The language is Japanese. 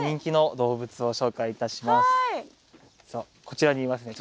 こちらにいますね。